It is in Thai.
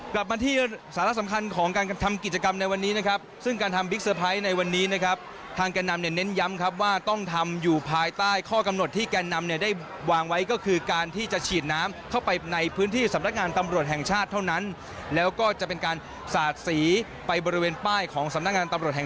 กลับมาที่สาระสำคัญของการทำกิจกรรมในวันนี้นะครับซึ่งการทำบิ๊กเซอร์ไพรส์ในวันนี้นะครับทางแก่นำเนี่ยเน้นย้ำครับว่าต้องทำอยู่ภายใต้ข้อกำหนดที่แก่นำเนี่ยได้วางไว้ก็คือการที่จะฉีดน้ำเข้าไปในพื้นที่สำนักงานตำรวจแห่งชาติเท่านั้นแล้วก็จะเป็นการสาดสีไปบริเวณป้ายของสำนักงานตำรวจแห่ง